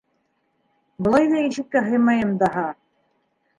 Былай ҙа ишеккә һыймайым даһа.